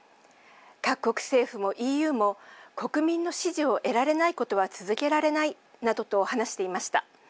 各国政府もＥＵも国民の支持を得られないことは続けられないなどと話していました。